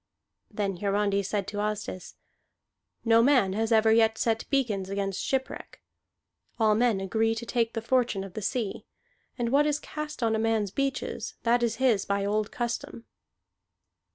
Then Hiarandi said to Asdis: "No man has ever yet set beacons against shipwreck. All men agree to take the fortune of the sea; and what is cast on a man's beaches, that is his by old custom."